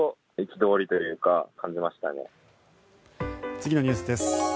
次のニュースです。